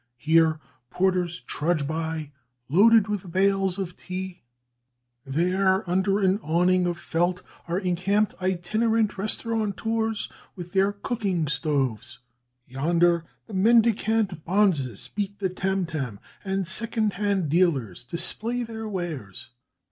Here, porters trudge by loaded with bales of tea; there, under an awning of felt, are encamped itinerant restaurateurs with their cooking stoves; yonder, the mendicant bonzes beat the tam tam, and second hand dealers display their wares.